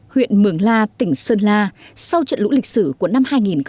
huyện mường la tỉnh sơn la sau trận lũ lịch sử của năm hai nghìn một mươi tám